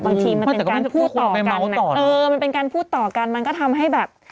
บางทีมันเป็นการพูดต่อกันเออมันเป็นการพูดต่อกันมันก็ทำให้แบบ